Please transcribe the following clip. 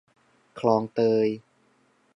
คลองเตย